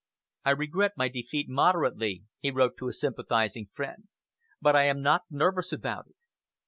"I regret my defeat moderately," he wrote to a sympathizing friend, "but I am not nervous about it."